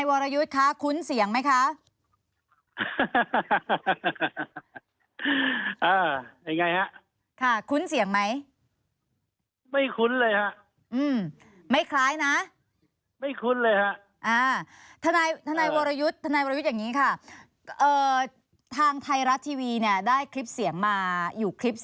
โอเคจะไปรับลูก